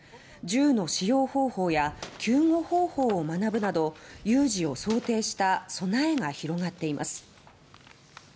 銃の使用方法や救護方法を学ぶなど有事を想定した備えが広がっています。